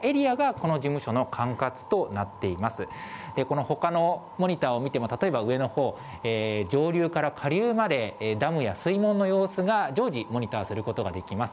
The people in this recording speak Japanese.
このほかのモニターを見ても、例えば上のほう、上流から下流まで、ダムや水門の様子が常時、モニターすることができます。